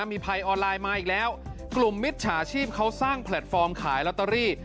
มีภัยออนไลน์มาอีกแล้วกลุ่มมิจฉาชีพเขาสร้างแพลตฟอร์มขายลอตเตอรี่